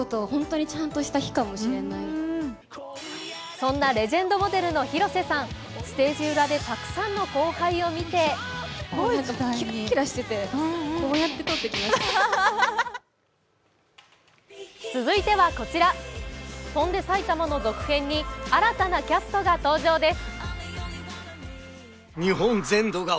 そんなレジェンドモデルの広瀬さん、ステージ裏でたくさんの後輩を見て続いてはこちら「翔んで埼玉」の続編に新たなキャストが登場です。